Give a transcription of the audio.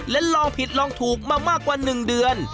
และลองผิดลองถูกมามากกว่า๑เดือน